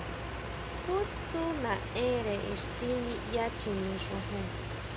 ¿Jú tsú naʼenre ixtí niʼya chjine xojon?